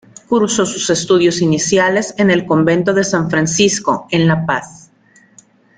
Cursó sus estudios iniciales en el Convento de San Francisco, en La Paz.